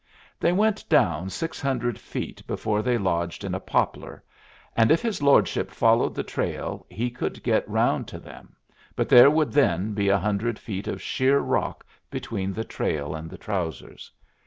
They went down six hundred feet before they lodged in a poplar, and if his lordship followed the trail he could get round to them, but there would then be a hundred feet of sheer rock between the trail and the trousers.